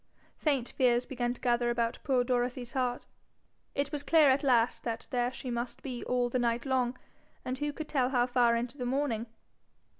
Faint fears began to gather about poor Dorothy's heart. It was clear at last that there she must be all the night long, and who could tell how far into the morning?